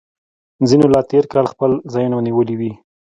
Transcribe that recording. ځینو لا تیر کال خپل ځایونه نیولي وي